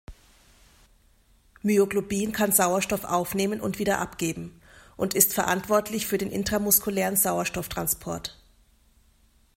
Myoglobin kann Sauerstoff aufnehmen und wieder abgeben und ist verantwortlich für den intramuskulären Sauerstofftransport.